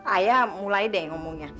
ayah mulai deh ngomongnya